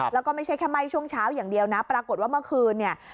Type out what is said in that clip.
แล้วก็ไม่ใช่แค่ไหม้ช่วงเช้าอย่างเดียวนะปรากฏว่าเมื่อคืนเนี่ย